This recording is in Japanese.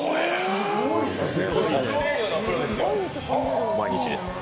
すごいですね。